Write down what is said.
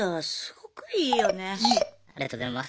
ありがとうございます。